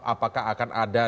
apakah akan ada